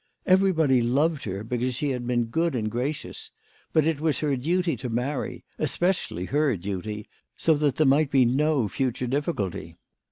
Everybody loved her because she had been good and gracious, but it was her duty to marry especially her duty so that there might be no future difficulty.